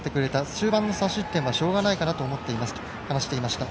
終盤の３失点はしょうがないかなと思っていますと話していました。